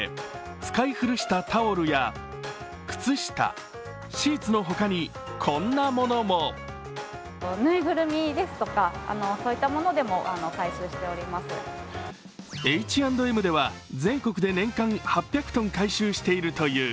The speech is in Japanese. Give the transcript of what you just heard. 使い古したタオルや靴下、シーツの他にこんなものもＨ＆Ｍでは全国で年間８００ｔ回収しているという。